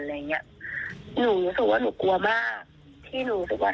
อะไรอย่างเงี้ยหนูรู้สึกว่าหนูกลัวมากที่หนูบอกว่า